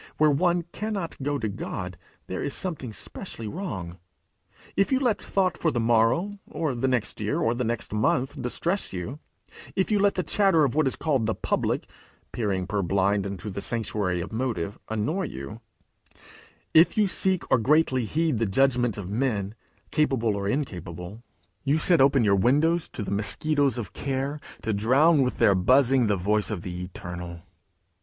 Where one cannot go to God, there is something specially wrong. If you let thought for the morrow, or the next year, or the next month, distress you; if you let the chatter of what is called the public, peering purblind into the sanctuary of motive, annoy you; if you seek or greatly heed the judgment of men, capable or incapable, you set open your windows to the mosquitoes of care, to drown with their buzzing the voice of the Eternal!